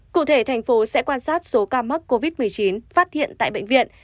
cụ thể thành phố sẽ quan sát số ca mắc covid một mươi chín phát hiện tại bệnh viện